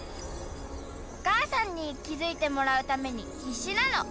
おかあさんにきづいてもらうためにひっしなの。